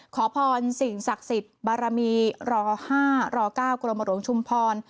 ขอพรสิ่งศักดิ์สิทธิ์บารมีร๕ร๙กรมหลวงชุมพร